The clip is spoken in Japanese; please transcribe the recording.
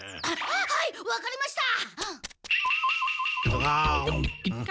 はいわかりました！